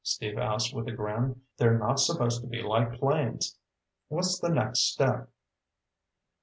Steve asked with a grin. "They're not supposed to be like planes. What's the next step?"